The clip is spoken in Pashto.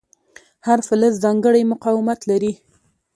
هر فلز ځانګړی مقاومت لري.